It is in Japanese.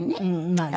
まあね。